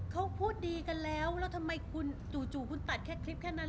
เขาพูดดีกันแล้วแล้วทำไมคุณจู่คุณตัดแค่คลิปแค่นั้น